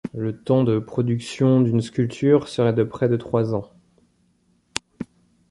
Le temps de production d'une sculpture serait de près de trois ans.